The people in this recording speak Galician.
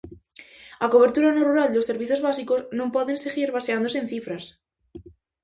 A cobertura no rural dos servizos básicos non poden seguir baseándose en cifras.